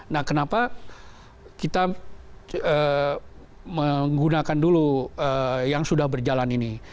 nah kenapa kita menggunakan dulu yang sudah berjalan ini